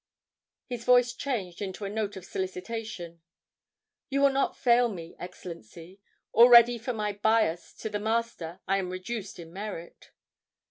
His voice changed into a note of solicitation. "You will not fail me, Excellency—already for my bias to the Master I am reduced in merit."